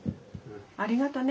ありがとね。